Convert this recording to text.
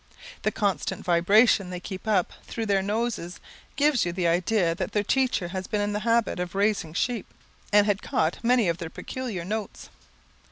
The constant vibration they keep up through their noses gives you the idea that their teacher has been in the habit of raising sheep, and had caught many of their peculiar notes.